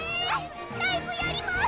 ライブやります！